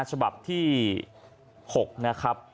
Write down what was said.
ฉบับที่๖นะครับ